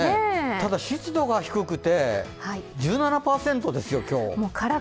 ただ、湿度が低くて１７％ですよ、今日。